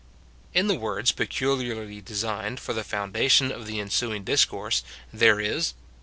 In the words peculiarly designed for the foundation of the ensuing discourse, there is.